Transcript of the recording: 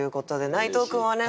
内藤君はね